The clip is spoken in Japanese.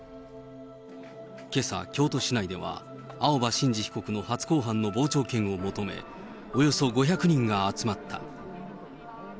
けさ、京都市内では青葉真司被告の初公判の傍聴券を求め、およそ５００人が集まった。